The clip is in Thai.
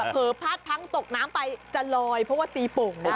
พลาดพังตกน้ำไปจะลอยเพราะว่าตีโป่งนะ